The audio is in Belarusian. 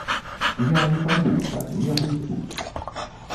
Я не пайду ў хату, я буду тут.